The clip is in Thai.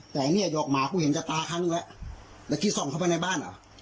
แต่เนี่ยดอกหมากูเห็นจากตาครั้งนึงแล้วแล้วที่ส่องเข้าไปในบ้านเหรอ